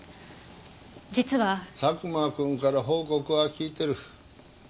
佐久間君から報告は聞いてる。